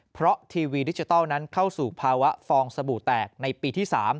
เพราะทีวีดิจิทัลนั้นเข้าสู่ภาวะฟองสบู่แตกในปีที่๓